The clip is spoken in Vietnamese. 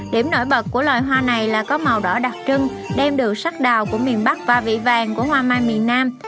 điểm nổi bật của loài hoa này là có màu đỏ đặc trưng đem được sắc đào của miền bắc và vị vàng của hoa mai miền nam